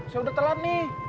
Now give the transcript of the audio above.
saya udah telat nih